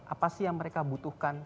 apa sih yang mereka butuhkan